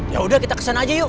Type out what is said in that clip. ya udah kita kesan aja yuk